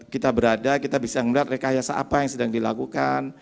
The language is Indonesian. kita berada kita bisa melihat rekayasa apa yang sedang dilakukan